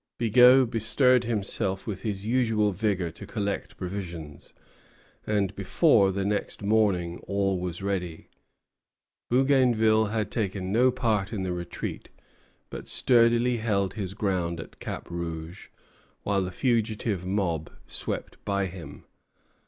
Bigot bestirred himself with his usual vigor to collect provisions; and before the next morning all was ready. Bougainville had taken no part in the retreat, but sturdily held his ground at Cap Rouge while the fugitive mob swept by him.